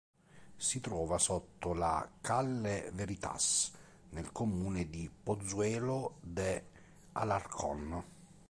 Si trova sotto la Calle Veritas nel comune di Pozuelo de Alarcón.